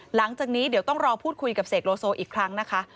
หลังจากนี้เดี๋ยวต้องรอพูดคุยกับเสกโลโซอีกครั้งนะคะ